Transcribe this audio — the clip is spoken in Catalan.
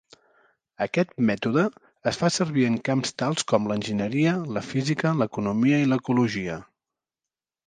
Aquest mètode es fa servir en camps tals com l'enginyeria, la física, l'economia, i l'ecologia.